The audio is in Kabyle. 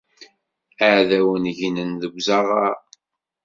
Aɛdawen gnen deg uẓaɣar.